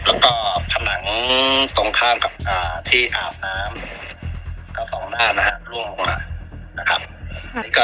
แล้วก็ถังส่องข้ามกับที่อาบน้ำกับส่องจากนี้นะฮะล่วงลงมา